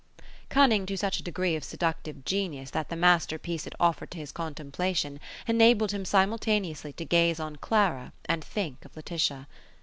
Cunning to such a degree of seductive genius that the masterpiece it offered to his contemplation enabled him simultaneously to gaze on Clara and think of Laetitia.